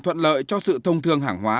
thuận lợi cho sự thông thường hàng hóa